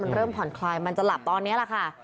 มันเริ่มผ่อนคลายมันจะหลับตอนนี้แหละค่ะ